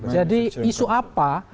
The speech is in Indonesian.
jadi isu apa